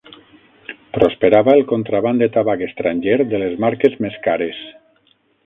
Prosperava el contraban de tabac estranger de les marques més cares